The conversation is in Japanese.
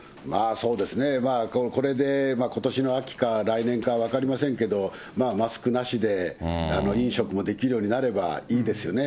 これでことしの秋か、来年か分かりませんけれども、マスクなしで飲食もできるようになればいいですよね。